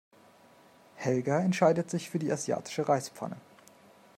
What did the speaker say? Helga entscheidet sich für die asiatische Reispfanne.